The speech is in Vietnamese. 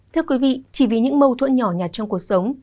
thưa quý vị chỉ vì những mâu thuẫn nhỏ nhặt trong cuộc sống